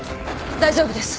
大丈夫です。